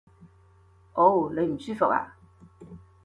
嗷！你唔舒服呀？